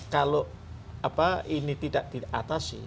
kalau ini tidak diatasi